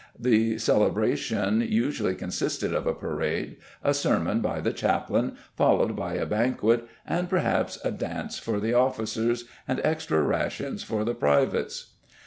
The celebration usually consisted of a parade, a sermon by the chaplain followed by a banquet and perhaps a dance for the officers, and extra rations for the privates.